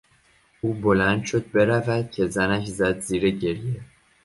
او بلند شد برود که زنش زد زیر گریه.